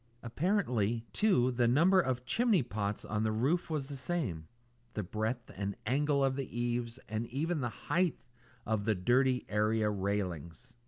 Apparently, too, the number of chimney pots on the roof was the same; the breadth and angle of the eaves; and even the height of the dirty area railings.